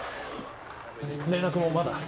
連絡もまだ。